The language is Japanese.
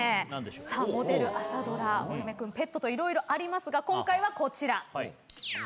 さあ「モデル」「朝ドラ」「お嫁くん」「ペット」と色々ありますが今回はこちら。